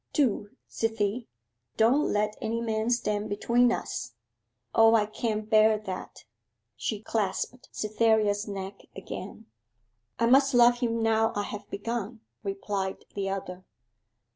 Do, Cythie: don't let any man stand between us. O, I can't bear that!' She clasped Cytherea's neck again. 'I must love him now I have begun,' replied the other.